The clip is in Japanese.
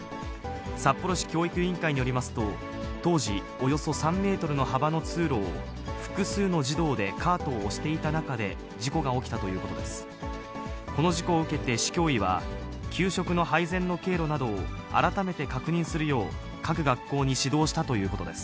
札幌市教育委員会によりますと、当時、およそ３メートルの幅の通路を、複数の児童でカートを押していた中で事故が起きたということです。